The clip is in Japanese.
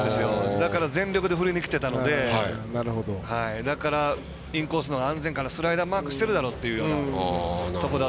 だから全力で振りにきてたのでだから、インコースのほうが安全かな、スライダーをマークしてるだろってところで。